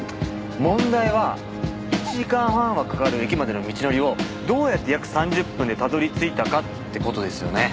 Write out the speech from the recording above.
問題は１時間半はかかる駅までの道のりをどうやって約３０分でたどり着いたかって事ですよね。